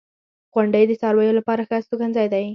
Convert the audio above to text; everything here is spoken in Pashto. • غونډۍ د څارویو لپاره ښه استوګنځای دی.